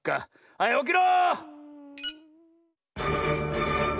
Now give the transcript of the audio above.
はいおきろ！